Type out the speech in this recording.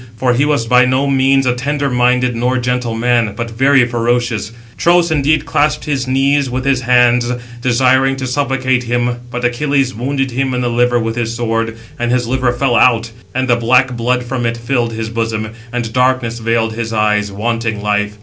For he was by no means a tender minded nor gentle man, but very ferocious. He (Tros) indeed clasped his knees with his hands, desiring to supplicate him, but he (Achilles) wounded him in the liver with his sword; and his liver fell out, and the black blood from it filled his bosom, and darkness veiled his eyes, wanting life.